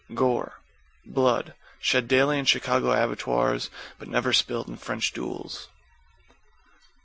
=GORE= Blood. Shed daily in Chicago abattoirs but never spilled in French duels.